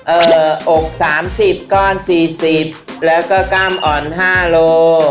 เอ่ออกสามสิบก้อนสี่สิบแล้วก็กล้ามอ่อนห้าโล